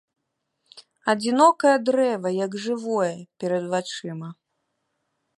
Адзінокае дрэва, як жывое, перад вачыма.